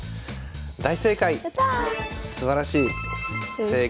大正解！